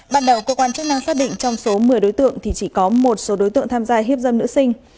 ban đầu cơ quan chức năng xác định trong số một mươi đối tượng thì chỉ có một số đối tượng tham gia hiếp dâm nữ sinh